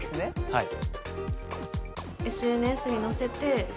はい。